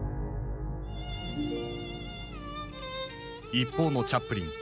一方のチャップリン。